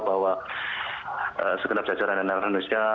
bahwa segera belajar airnav indonesia